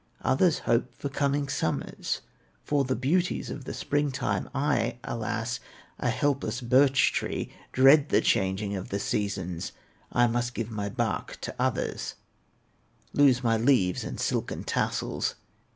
Others hope for coming summers, For the beauties of the spring time; I, alas! a helpless birch tree, Dread the changing of the seasons, I must give my bark to others, Lose my leaves and silken tassels.